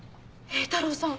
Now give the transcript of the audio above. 榮太郎さん